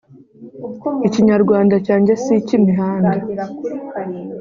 ikinyarwanda cyanjye siki imihanda